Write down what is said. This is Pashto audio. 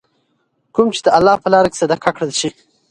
کوم چې د الله په لاره کي صدقه کړل شي .